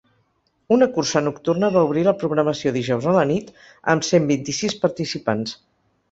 Una cursa nocturna va obrir la programació dijous a la nit amb cent vint-i-sis participants.